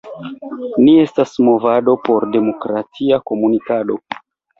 Ni estas movado por demokratia komunikado.